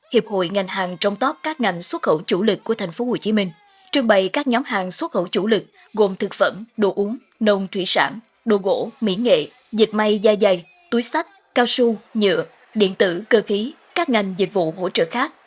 hiệp hội ngành hàng trong top các ngành xuất khẩu chủ lực của tp hcm trưng bày các nhóm hàng xuất khẩu chủ lực gồm thực phẩm đồ uống nông thủy sản đồ gỗ mỹ nghệ dịch may da dày túi sách cao su nhựa điện tử cơ khí các ngành dịch vụ hỗ trợ khác